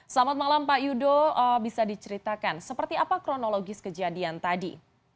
selamat malam pak yudo bisa diceritakan seperti apa kronologis kejadian tadi